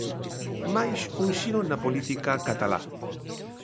Máis un xiro na política catalá.